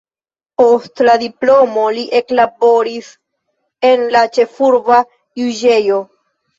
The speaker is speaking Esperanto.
Post la diplomo li eklaboris en la ĉefurba juĝejo.